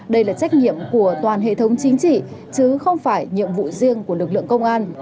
đây là trách nhiệm của toàn hệ thống chính trị chứ không phải nhiệm vụ riêng của lực lượng công an